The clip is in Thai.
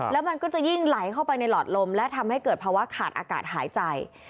แล้วมันก็จะยิ่งไหลเข้าไปในหลอดลมและทำให้เกิดภาวะขาดอากาศหายใจ